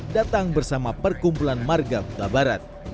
datang bersama perkumpulan marga huta barat